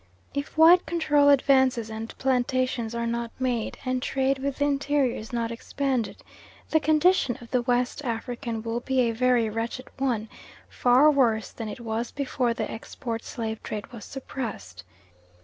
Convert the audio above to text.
If white control advances and plantations are not made and trade with the interior is not expanded, the condition of the West African will be a very wretched one, far worse than it was before the export slave trade was suppressed.